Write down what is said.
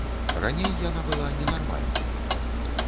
Раней яна была ненармальнай.